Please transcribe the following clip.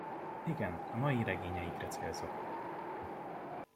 Igen, a mai regényeinkre célzok.